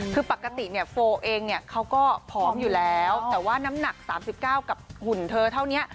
คือปกติเนี่ยโฟเองเนี่ยเขาก็ผอมอยู่แล้วแต่ว่าน้ำหนัก๓๙กับหุ่นเธอเท่านี้